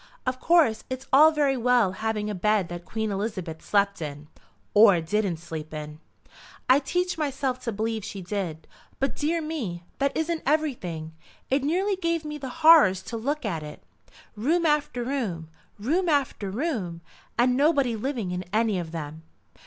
Of course it's all very well having a bed that Queen Elizabeth slept in." "Or didn't sleep in." "I'd teach myself to believe she did. But dear me, that isn't everything. It nearly gave me the horrors to look at it. Room after room, room after room, and nobody living in any of them."